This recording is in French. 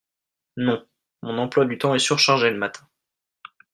Non. Mon emploi du temps est surchargé le matin.